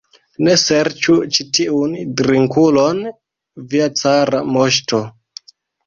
Ne serĉu ĉi tiun drinkulon, via cara moŝto!